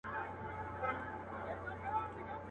پکښی پورته به د خپل بلال آذان سي.